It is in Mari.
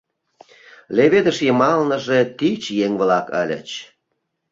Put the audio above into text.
Леведыш йымалныже тич еҥ-влак ыльыч.